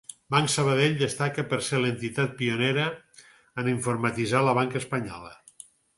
Banc Sabadell destaca per ser l'entitat pionera en informatitzar la banca espanyola.